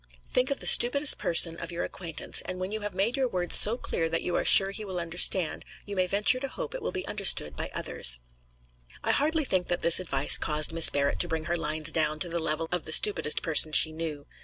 Think of the stupidest person of your acquaintance, and when you have made your words so clear that you are sure he will understand, you may venture to hope it will be understood by others." I hardly think that this advice caused Miss Barrett to bring her lines down to the level of the stupidest person she knew.